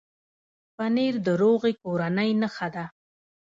پنېر د روغې کورنۍ نښه ده.